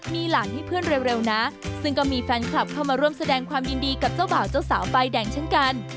มีหลานให้เพื่อนเร็วนะซึ่งก็มีแฟนคลับเข้ามาร่วมแสดงความยินดีกับเจ้าบ่าวเจ้าสาวไฟแดงเช่นกัน